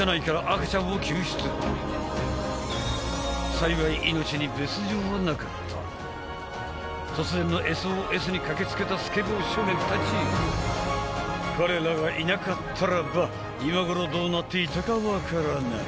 幸い突然のＳＯＳに駆けつけたスケボー少年達彼らがいなかったらば今頃どうなっていたか分からない